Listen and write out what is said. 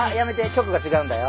局が違うんだよ。